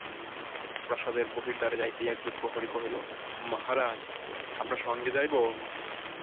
প্রাসাদের বহির্দ্বারে যাইতেই একজন প্রহরী কহিল, মহারাজ, আপনার সঙ্গে যাইব?